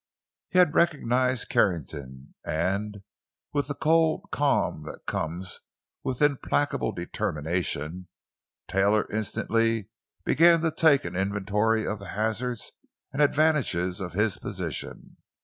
He had recognized Carrington, and with the cold calm that comes with implacable determination, Taylor instantly began to take an inventory of the hazards and the advantages of his position.